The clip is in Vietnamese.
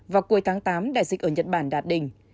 vào cuối tháng tám đại dịch ở nhật bản đạt đỉnh